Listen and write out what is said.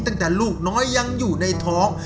ตั้งแต่ลูกน้อยยังอยู่ในท้อง